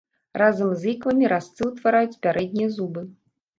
Разам з ікламі разцы ўтвараюць пярэднія зубы.